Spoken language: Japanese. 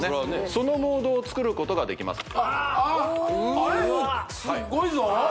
そのモードを作ることができますあっ